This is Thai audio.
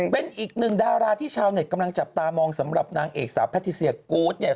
เป็นอีกหนึ่งดาราที่ชาวเน็ตกำลังจับตามองสำหรับนางเอกสาวแพทิเซียกูธเนี่ย